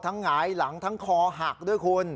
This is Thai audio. ทั้งหงายหลังทั้งคอหักด้วย